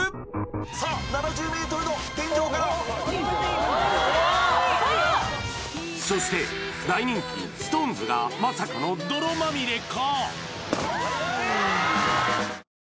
さあ７０ｍの天井からおっあっいいそして大人気ＳｉｘＴＯＮＥＳがまさかの泥まみれか？